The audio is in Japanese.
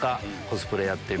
コスプレやって。